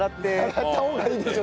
洗った方がいいでしょ